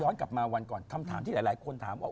กลับมาวันก่อนคำถามที่หลายคนถามว่า